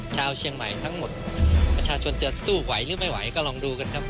ชาวเชียงใหม่ทั้งหมดประชาชนจะสู้ไหวหรือไม่ไหวก็ลองดูกันครับ